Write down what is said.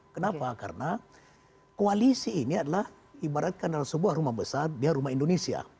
kenapa karena koalisi ini adalah ibaratkan adalah sebuah rumah besar dia rumah indonesia